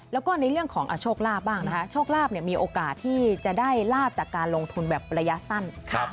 แล้วก็ในเรื่องของโชคลาภบ้างนะคะโชคลาภมีโอกาสที่จะได้ลาบจากการลงทุนแบบระยะสั้น